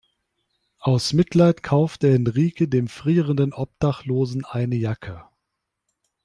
Aus Mitleid kaufte Henrike dem frierendem Obdachlosen eine Jacke.